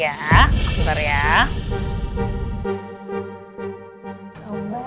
yaudah oma coba telepon om baik ya